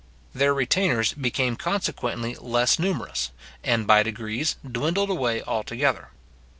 Their retainers became consequently less numerous, and, by degrees, dwindled away altogether.